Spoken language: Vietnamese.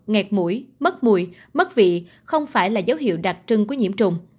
ngạt mũi mất mùi mất vị không phải là dấu hiệu đặc trưng của nhiễm trùng